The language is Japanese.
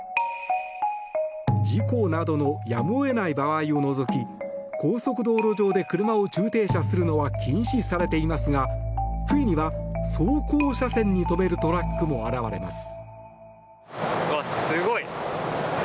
事故などのやむを得ない場合を除き高速道路上で車を駐停車するのは禁止されていますがついには、走行車線に止めるトラックも現れます。